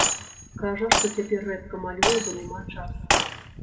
Кажа, што цяпер рэдка малюе, бо няма часу.